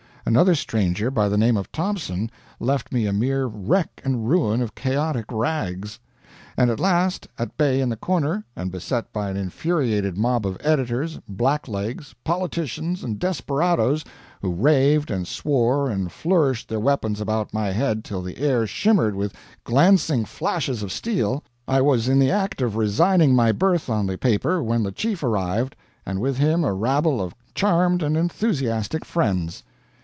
Another stranger, by the name of Thompson, left me a mere wreck and ruin of chaotic rags. And at last, at bay in the corner, and beset by an infuriated mob of editors, blacklegs, politicians, and desperadoes, who raved and swore and flourished their weapons about my head till the air shimmered with glancing flashes of steel, I was in the act of resigning my berth on the paper when the chief arrived, and with him a rabble of charmed and enthusiastic friends.